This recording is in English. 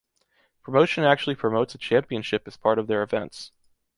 Promotion actually promotes a championship as part of their events.